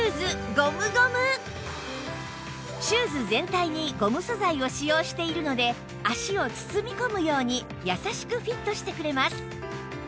シューズ全体にゴム素材を使用しているので足を包み込むように優しくフィットしてくれます